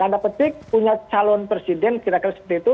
tanda petik punya calon presiden kira kira seperti itu